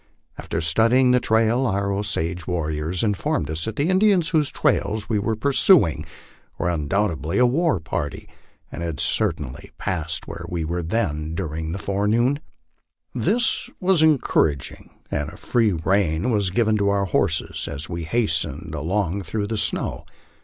After studying the trail our Osage warriors informed us that the Indians whose trail we were pursuing were undoubtedly a war party, and had certainly passed where we then were during the forenoon. This was encouraging, and a free rein was given to our horses as we hastened along through the snow.